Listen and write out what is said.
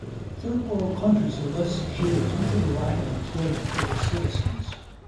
Third world countries are less secure due to lack of employment for their citizens.